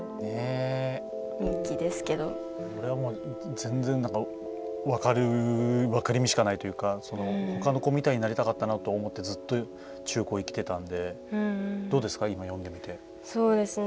全然、なんか分かる分かりみしかないというかほかの子みたいになりたかったなと思ってずっと中高、生きてたんでどうですか？